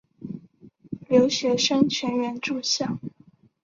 留学生全员住校。